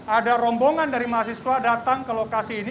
ada rombongan dari mahasiswa datang ke lokasi ini